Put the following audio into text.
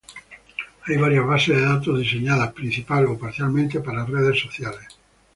Hay varias bases de datos diseñadas principal o parcialmente para redes sociales.